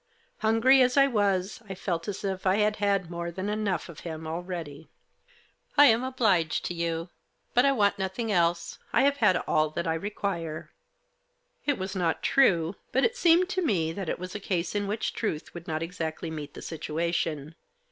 Hungry as I was, I felt as if I had had more than enough of him already. " I am obliged to you, but I want nothing else. I have had all that I require." It was not true ; but it seemed to me that it was a case in which truth would not exactly meet the situation.